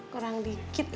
kurang dikit lah